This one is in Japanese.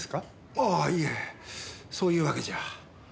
ああいえそういうわけじゃ。